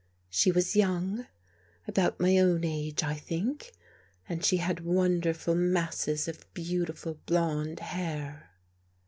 " She was young, about my own age, I think, and she had wonderful masses of beautiful blond hair."